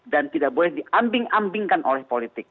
dan tidak boleh diambing ambingkan oleh politik